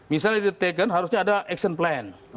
misalnya di taken harusnya ada action plan